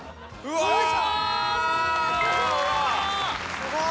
すごい！